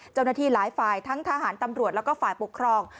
เจ้าหน้าที่หลายฝ่ายทั้งทหารตำรวจแล้วก็ฝ่ายปกครอง